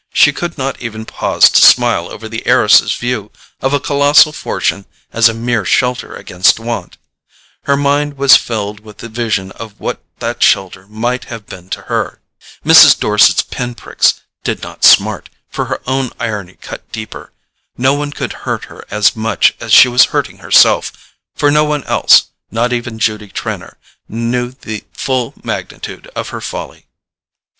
She could not even pause to smile over the heiress's view of a colossal fortune as a mere shelter against want: her mind was filled with the vision of what that shelter might have been to her. Mrs. Dorset's pin pricks did not smart, for her own irony cut deeper: no one could hurt her as much as she was hurting herself, for no one else—not even Judy Trenor—knew the full magnitude of her folly.